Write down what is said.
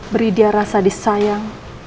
beri dia rasa disayang